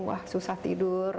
wah susah tidur